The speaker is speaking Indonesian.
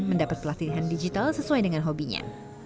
mendapat pelatihan digital sesuai dengan hobinya